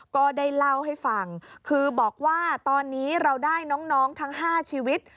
ก็ได้เล่าให้ฟังคือบอกว่าตอนนี้เราได้น้องทั้ง๕ชีวิต